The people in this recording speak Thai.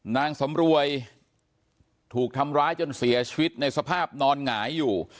นางสำรวยถูกทำร้ายจนเสียชีวิตในสภาพนอนหงายอยู่